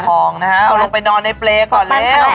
ประคองนะคะเอาลงไปนอนในเปรย์ก่อนแล้ว